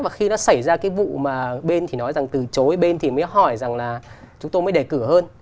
mà khi nó xảy ra cái vụ mà bên thì nói rằng từ chối bên thì mới hỏi rằng là chúng tôi mới đề cử hơn